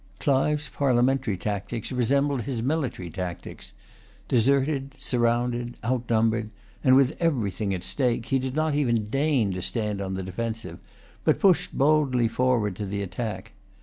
Clive's parliamentary tactics resembled his military tactics. Deserted, surrounded, outnumbered, and with everything at stake, he did not even deign to stand on the defensive, but pushed boldly forward to the attack.